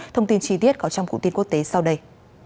thông tin chi tiết có trong cụ tin quốc tế sau đây